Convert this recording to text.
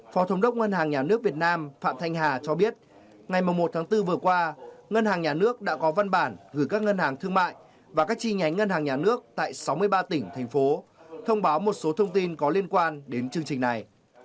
phó thống đốc ngân hàng nhà nước việt nam phạm thanh hà cho biết ngày một tháng bốn vừa qua ngân hàng nhà nước đã có văn bản gửi các ngân hàng thương mại và các chi nhánh ngân hàng nhà nước tại sáu mươi ba tỉnh thành phố thông báo một số thông tin có liên quan đến chương trình này